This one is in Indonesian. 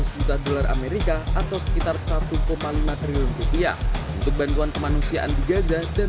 seratus juta dolar amerika atau sekitar satu lima triliun rupiah untuk bantuan kemanusiaan di gaza dan